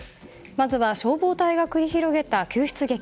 まずは消防隊が繰り広げた救出劇。